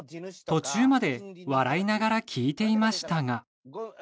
途中まで笑いながら聞いていましたが。